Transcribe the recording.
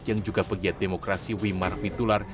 yang juga pegiat demokrasi wimar mitular